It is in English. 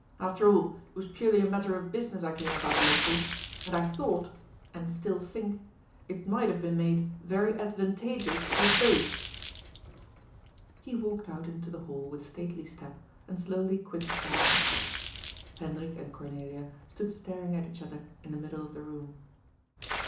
*^ After all, it was purely a matter of business I came about, Lossell. And I thought— and still think — it might have been made very advantageous to us both." He walked out into the hall with stately step, and slowly quitted the house. Hendrik and Cornelia stood staring at each other in the middle of the room.